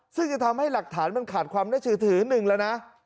ซึ่งจะทำให้หลักฐานขาดความได้ชือถือ๑แล้วนะ